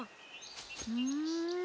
うん。